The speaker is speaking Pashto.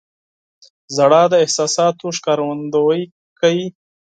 • ژړا د احساساتو ښکارندویي کوي.